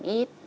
con mượn ít